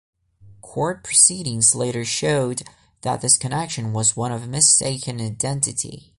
Court proceedings later showed that this connection was one of mistaken identity.